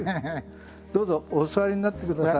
どうぞお座りになってください。